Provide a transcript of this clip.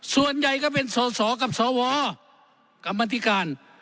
ส่วนใหญ่ก็เป็นสอสอกับสวกรรมธิการ